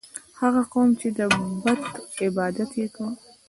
هغه قوم چې د بت عبادت یې کاوه.